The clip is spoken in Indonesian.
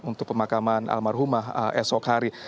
untuk pemakaman almarhumah esok hari